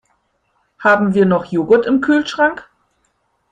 Haben wir noch Joghurt im Kühlschrank?